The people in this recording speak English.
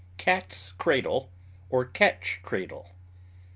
CAT'S CRADLE OR CATCH CRADLE.